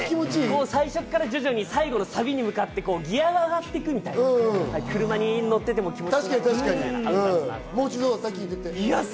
最初から徐々に最後のサビに向かって、ギアが上がってくみたいな、車に乗っていても気持ちいいと思います。